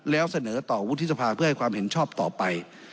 แล้วเสนอต่อวุฒิสภาเพื่อให้ความเห็นชอบต่อไป